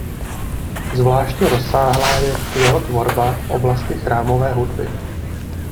Zvláště rozsáhlá je jeho tvorba v oblasti chrámové hudby.